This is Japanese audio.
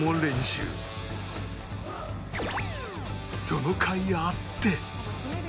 そのかいあって